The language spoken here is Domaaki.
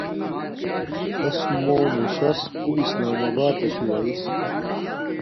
اِس مُوم موشس اُو اسلام آباتشوں ایس